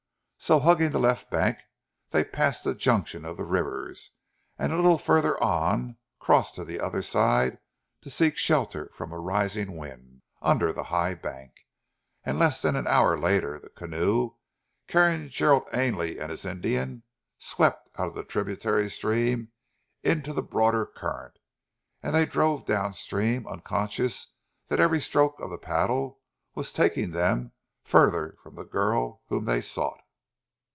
So hugging the left bank they passed the junction of the rivers, and a little further on crossed to the other side to seek shelter from a rising wind, under the high bank. And less than an hour later the canoe, carrying Gerald Ainley and his Indian, swept out of the tributary stream into the broader current, and they drove downstream, unconscious that every stroke of the paddle was taking them further from the girl whom they sought.